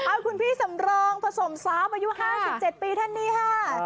เอาคุณพี่สำรองผสมทรัพย์อายุ๕๗ปีท่านนี้ค่ะ